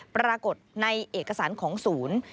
ปรากฏในเอกสารของศูนย์